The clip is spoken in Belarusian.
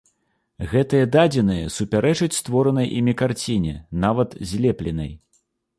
Гэтыя дадзеныя супярэчаць створанай імі карціне, нават злепленай.